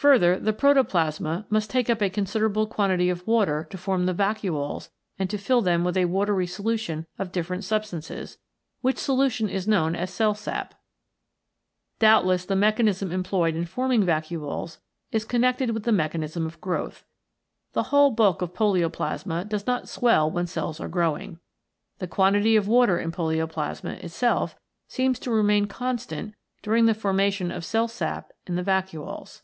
Further, the protoplasma must take up a considerable quantity of water to form the vacuoles and to fill them with a watery solution of different substances, which solution is known as cell sap. Doubtless the mechanism employed in forming vacuoles is con nected with the mechanism of growth. The whole bulk of polioplasma does not swell when cells are growing. The quantity of water in polioplasma it self seems to remain constant during the formation of cell sap in the vacuoles.